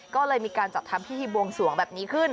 ก็เลยมีการจัดทำพิธีบวงสวงแบบนี้ขึ้น